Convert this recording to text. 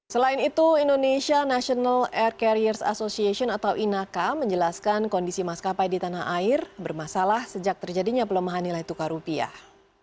selain itu indonesia national air carriers association atau inaka menjelaskan kondisi maskapai di tanah air bermasalah sejak terjadinya pelemahan nilai tukar rupiah